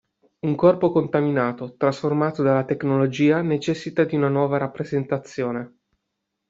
Un corpo contaminato, trasformato dalla tecnologia necessita di una nuova rappresentazione.